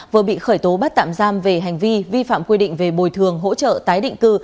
vừa bị khởi tố bắt tạm giam về hành vi vi phạm quy định về bồi thường hỗ trợ tái định cư